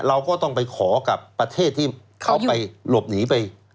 เราก็ต้องไปขอกับประเทศที่เขาไปหลบหนีไป